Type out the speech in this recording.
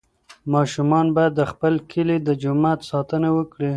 ماشومان باید د خپل کلي د جومات ساتنه وکړي.